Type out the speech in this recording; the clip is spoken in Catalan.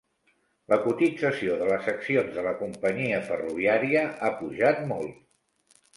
La cotització de les accions de la companyia ferroviària ha pujat molt.